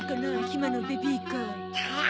ひまのベビーカー。